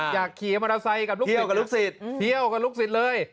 อยากขี่มอเตอร์ไซค์กับลูกศิษย์เที่ยวกับลูกศิษย์เลย